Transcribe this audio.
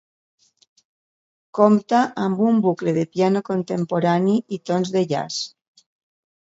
Compta amb un bucle de piano contemporani i tons de jazz.